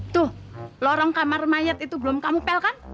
tuh lorong kamar mayat itu belum kamu pel kan